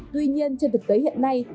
tuy nhiên trên thực tế hiện nay